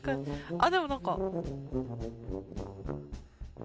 あっでもなんか。